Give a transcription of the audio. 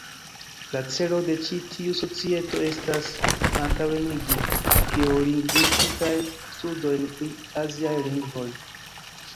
La celo de ĉi tiu Societo estas "...antaŭenigi geolingvistikajn studojn pri aziaj lingvoj.